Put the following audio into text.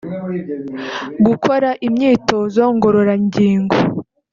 gukora imyitozo ngororangingo